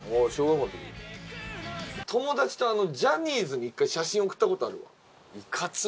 友達とあのジャニーズに１回写真送った事あるわ。